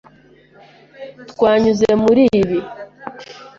Twanyuze muri ibi.